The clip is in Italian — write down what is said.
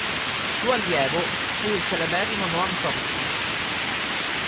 Suo allievo fu il celeberrimo Noam Chomsky.